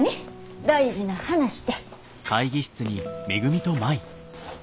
大事な話て。